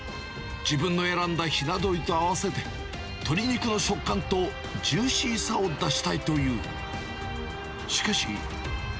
自分の選んだひな鶏と合わせて、鶏肉の食感とジューシーさを出したいという。